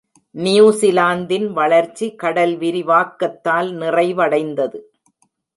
நியூசிலாந்தின் வளர்ச்சி கடல் விரிவாக்கத்தால் நிறைவடைந்தது.